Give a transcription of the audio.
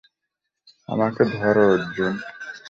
আমাকে ধর, অর্জুন!